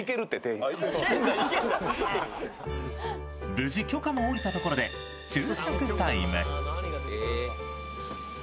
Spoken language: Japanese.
無事、許可も下りたところで昼食タイム。